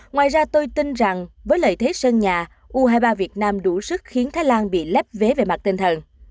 ngoài ra tôi tin rằng với lợi thế sân nhà u hai mươi ba việt nam đủ sức khiến thái lan bị lép vé về mặt tinh thần